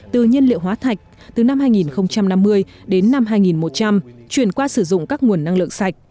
từ nhiên liệu hóa thạch từ năm hai nghìn năm mươi đến năm hai nghìn một trăm linh chuyển qua sử dụng các nguồn năng lượng sạch